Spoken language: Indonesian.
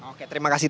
oke terima kasih